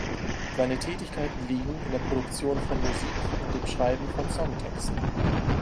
Seine Tätigkeiten liegen in der Produktion von Musik und dem Schreiben von Songtexten.